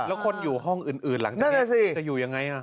แล้วคนอยู่ห้องอื่นหลังจากนี้จะอยู่ยังไง